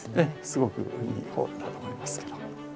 すごくいいホールだと思いますけど。